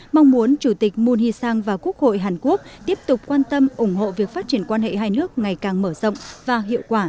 mong muốn chủ tịch moon hee sang và quốc hội hàn quốc tiếp tục quan tâm ủng hộ việc phát triển quan hệ hai nước ngày càng mở rộng và hiệu quả